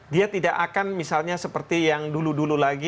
dia tidak akan seperti dulu dulu lagi